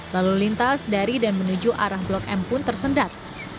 lalu lintas dari dan menuju arah blok m pun tersendat